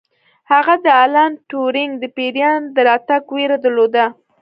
هغه د الن ټورینګ د پیریان د راتګ ویره درلوده